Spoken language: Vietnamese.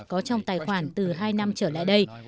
có trong tài khoản từ hai năm trở lại đây